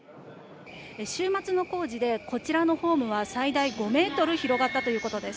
週末の工事で、こちらのホームは最大５メートル広がったということです。